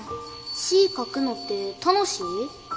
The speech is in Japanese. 詩ぃ書くのて楽しい？